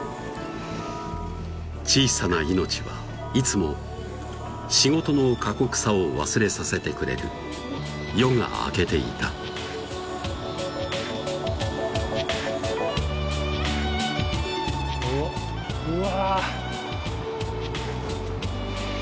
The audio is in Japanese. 小さな命はいつも仕事の過酷さを忘れさせてくれるおっうわ！